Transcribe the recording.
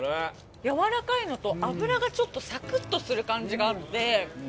やわらかいのと脂がちょっとサクッとする感じがあって。